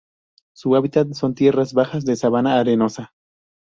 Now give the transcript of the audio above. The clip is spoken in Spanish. Su hábitat son tierras bajas, de sabana arenosa.